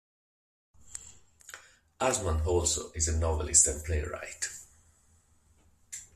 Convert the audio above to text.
Aarsman also is a novelist and playwright.